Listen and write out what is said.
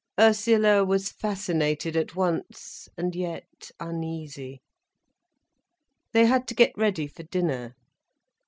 Ursula was fascinated at once—and yet uneasy. They had to get ready for dinner.